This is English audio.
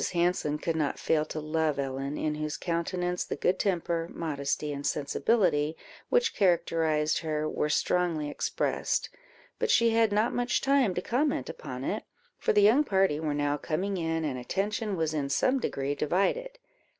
Hanson could not fail to love Ellen, in whose countenance the good temper, modesty, and sensibility which characterized her, were strongly expressed; but she had not much time to comment upon it, for the young party were now coming in, and attention was in some degree divided.